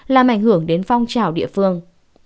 làm ảnh hưởng đến phong trào địa phương